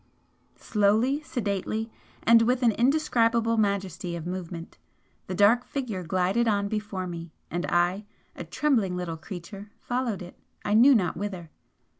Slowly, sedately, and with an indescribable majesty of movement, the dark Figure glided on before me, and I, a trembling little creature, followed it, I knew not whither.